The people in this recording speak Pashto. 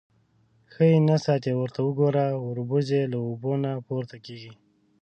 _ښه يې نه ساتې. ورته وګوره، وربوز يې له اوبو نه پورته کېږي.